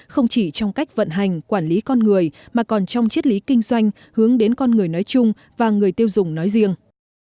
không chỉ trong cách vận hành quản lý con người mà còn trong chiết lý kinh doanh hướng đến con người nói chung và người tiêu dùng nói riêng